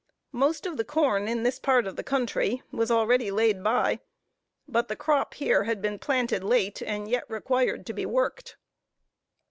Most of the corn in this part of the country, was already laid by, but the crop here had been planted late, and yet required to be worked.